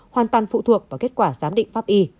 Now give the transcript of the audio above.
hoàn toàn phụ thuộc vào kết quả giám định pháp y